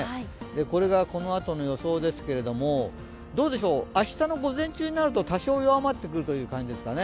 これがこのあとの予想ですけれども、明日の午前中になると多少弱まってくるという感じですかね。